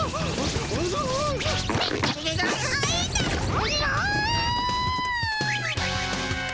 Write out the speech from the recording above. おじゃ！